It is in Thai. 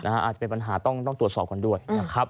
อาจจะเป็นปัญหาต้องตรวจสอบกันด้วยนะครับ